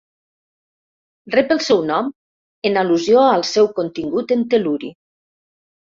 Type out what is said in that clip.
Rep el seu nom en al·lusió al seu contingut en tel·luri.